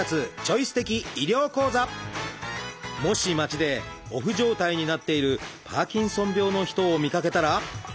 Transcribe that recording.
もし街でオフ状態になっているパーキンソン病の人を見かけたら。